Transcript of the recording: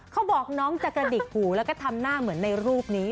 เขาบอกน้องจะกระดิกหูแล้วก็ทำหน้าเหมือนในรูปนี้